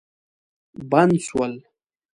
بند سول.